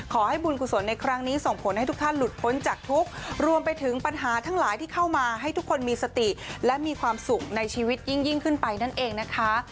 ขอให้บุญกุศลในครั้งนี้ส่งผลให้ทุกท่านหลุดพ้นจากทุกข์รวมไปถึงปัญหาทั้งหลายที่เข้ามาให้ทุกคนมีสติและมีความสุขในชีวิตยิ่งขึ้นไปนั่นเองนะคะ